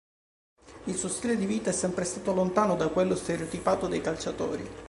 Il suo stile di vita è sempre stato lontano da quello stereotipato dei calciatori.